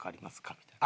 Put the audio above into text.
みたいな。